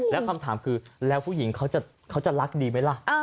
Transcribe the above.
แล้วคำถามคือแล้วผู้หญิงเขาจะรักดีไหมล่ะ